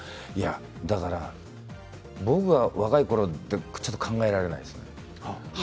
だから僕が若いころって考えられないです。